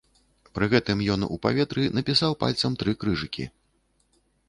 Пры гэтым ён у паветры напісаў пальцам тры крыжыкі.